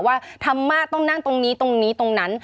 ธรรมะต้องนั่งตรงนี้ตรงนี้ตรงนั้น